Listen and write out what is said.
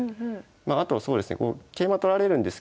あとはそうですね桂馬取られるんですけど。